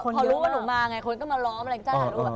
พอรู้ว่าหนูมาไงคนก็มาล้อมอะไรจ้า